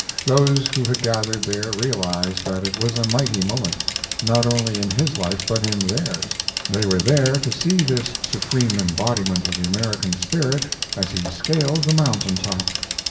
Those who had gathered there realized that it was a mighty moment, not only in his life but in theirs. They were there to see this supreme embodiment of the American spirit as he scaled the mountain top.